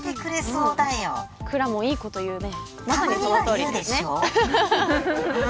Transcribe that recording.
くらもんいいこと言うね。